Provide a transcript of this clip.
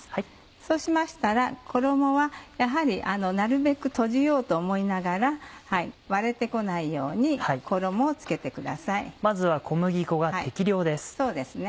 そうしましたら衣はやはりなるべく閉じようと思いながら割れて来ないように衣を付けてください。